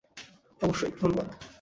অবশ্যই, ধন্যবাদ।